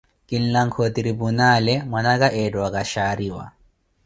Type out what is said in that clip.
Kinlankha o tiripunaale, mwnaka eetta okashaariwa.